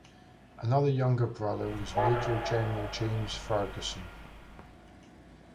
Another younger brother was Major General James Ferguson.